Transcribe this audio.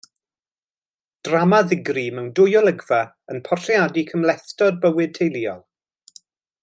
Drama ddigri mewn dwy olygfa yn portreadu cymhlethdod bywyd teuluol.